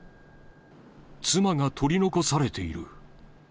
妻が取り残されている。